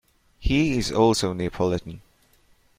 He is also Neapolitan.